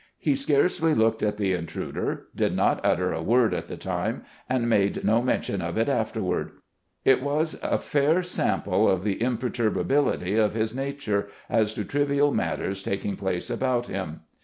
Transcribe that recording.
He scarcely looked at the intruder, did not utter a word at the time, and made no mention of it afterward. It was a fair sample of the imperturbability of his nature as to trivial matters tak ing place about him.